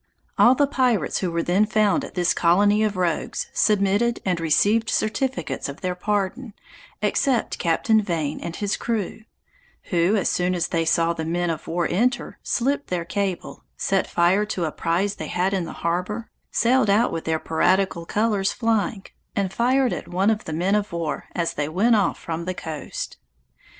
All the pirates who were then found at this colony of rogues, submitted and received certificates of their pardon, except Captain Vane and his crew; who, as soon as they saw the men of war enter, slipped their cable, set fire to a prize they had in the harbor, sailed out with their piratical colors flying, and fired at one of the men of war, as they went off from the coast.